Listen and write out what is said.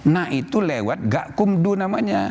nah itu lewat gak kumdu namanya